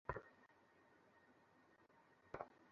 ফকির লালন মানুষের মধ্যে কোনো ভেদাভেদ তৈরি করেননি।